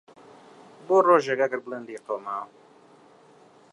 بۆ رۆژێک ئەگەر بڵێن لیێ قەوماوە.